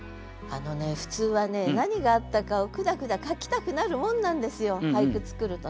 あのね普通はね何があったかをくだくだ書きたくなるもんなんですよ俳句作るとね。